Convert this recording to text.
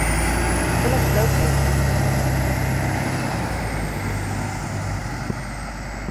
Phillip Lopate was born in Brooklyn, New York.